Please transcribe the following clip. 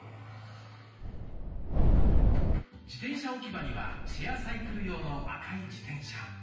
自転車置き場にはシェアサイクル用の赤い自転車。